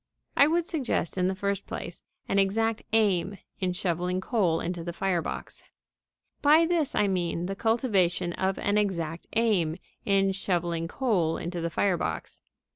I would suggest, in the first place, an exact aim in shoveling coal into the fire box. By this I mean the cultivation of an exact aim in shoveling coal into the fire box.